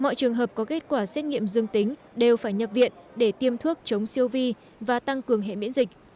mọi trường hợp có kết quả xét nghiệm dương tính đều phải nhập viện để tiêm thuốc chống siêu vi và tăng cường hệ miễn dịch